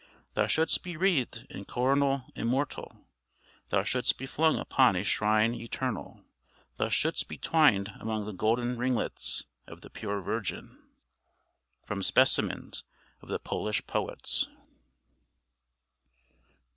Thou shouldst be wreathed in coronal immortal Thou shouldst be flung upon a shrine eternal Thou shouldst be twined among the golden ringlets Of the pure Virgin. From 'Specimens of the Polish Poets.'